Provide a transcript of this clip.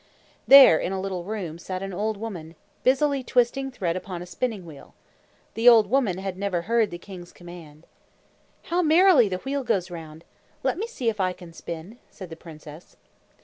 There, in a little room, sat an old woman, busily twisting thread upon a spinning wheel. The old woman had never heard the king's command. "How merrily the wheel goes round! Let me see if I can spin!" said the princess.